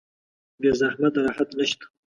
بې زحمت راحت نشته